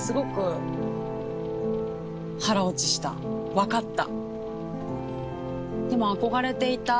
分かった。